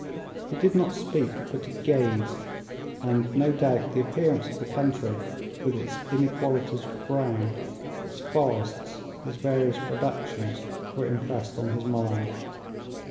He did not speak, but he gazed; and, no doubt, the appearance of the country, with its inequalities of ground, its forests, its various productions, were impressed on his mind.